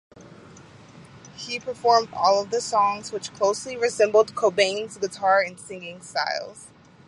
He performed all of the songs, which closely resembled Cobain's guitar and singing styles.